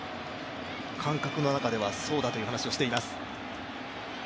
感覚の中では、そうだという話をしています。